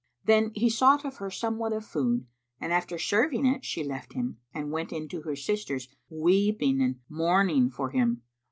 Then he sought of her somewhat of food and after serving it she left him, and went in to her sisters, weeping and mourning for him.